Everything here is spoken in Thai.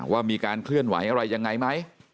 ว่ามีการเคลื่อนไหวอะไรยังไงไหม